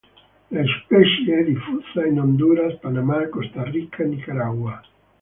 La specie è diffusa in Honduras, Panama, Costa Rica e Nicaragua.